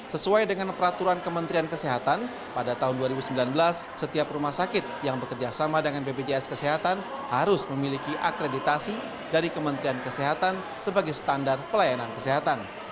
sesuai dengan peraturan kementerian kesehatan pada tahun dua ribu sembilan belas setiap rumah sakit yang bekerjasama dengan bpjs kesehatan harus memiliki akreditasi dari kementerian kesehatan sebagai standar pelayanan kesehatan